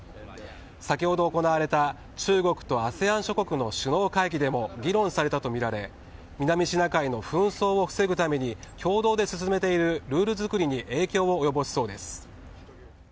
先ほど行われた中国とＡＳＥＡＮ諸国の首脳会議でも議論されたとみられ南シナ海の紛争を防ぐために共同で進めているルール作りに影響を及ぼしそうです。